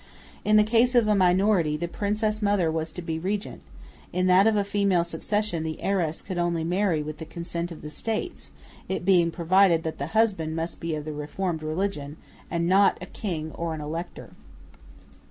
In the case of a minority, the Princess Mother was to be regent; in that of a female succession the heiress could only marry with the consent of the States, it being provided that the husband must be of the Reformed religion, and not a king or an elector.